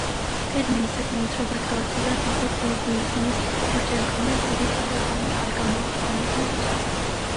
ტერმინი საკმაოდ სწრაფად გავრცელდა, თუმცა კუბიზმის ორ შემქმნელს იგი კარგა ხანი არ გამოუყენებიათ.